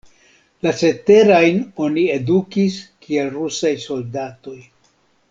La ceterajn oni edukis kiel rusaj soldatoj.